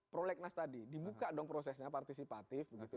prolegnas tadi dibuka dong prosesnya partisipatif begitu